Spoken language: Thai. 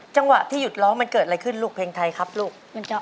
จังหวะที่หยุดร้องมันเกิดอะไรขึ้นลูกเพลงไทยครับลูก